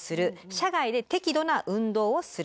車外で適度な運動をする。